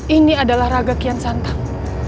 ini adalah raga kian santap